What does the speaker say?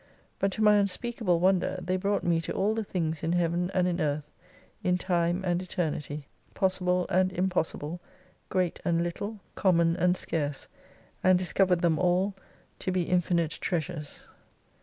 But to my unspeakable wonder, they brought me to all the things in Heaven and in Earth, in Time and Eternity, 201 possible and impossible, great and little, common and scarce ; and discovered them all to be infinite treasures.